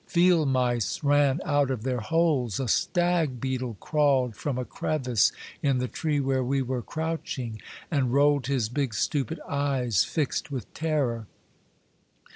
Field mice ran out of their holes. A stag beetle crawled from a crevice in the tree where we were crouching, and rolled his big stupid eyes, fixed with terror.